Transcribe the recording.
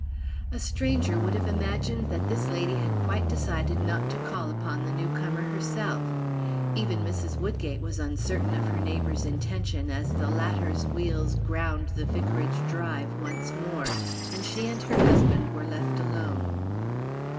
A stranger would have imagined that this lady had quite decided not to call upon the newcomer herself; even Mrs. Woodgate was uncertain of her neighbor's intention as the latter's wheels ground the Vicarage drive once more, and she and her husband were left alone.